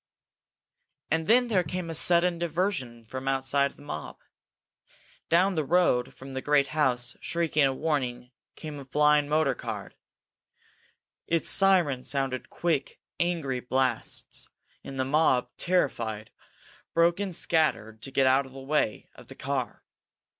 And then there came a sudden diversion from outside the mob. Down the road from the great house, shrieking a warning, came a flying motor car. Its siren sounded quick, angry blasts, and the mob, terrified, broke and scattered to get out of the way of the car.